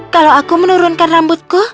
kalau aku menurunkan rambutku